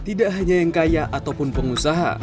tidak hanya yang kaya ataupun pengusaha